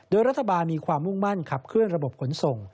โดยรัฐบาลมีความมุ่งมั่นขับเคลื่อนระบบขนส่ง